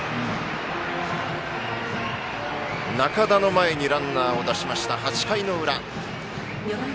仲田の前にランナーを出しました８回の裏。